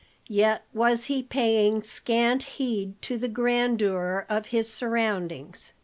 Yet was he paying scant heed to the grandeur of his surroundings.